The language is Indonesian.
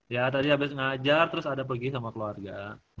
ya tadi habis ngajar terus ada pergi sama keluarga